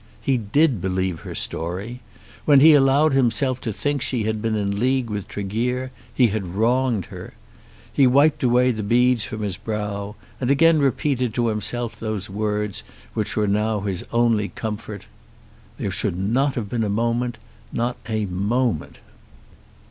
He did believe her story. When he allowed himself to think she had been in league with Tregear he had wronged her. He wiped away the beads from his brow, and again repeated to himself those words which were now his only comfort, "There should not have been a moment; not a moment!"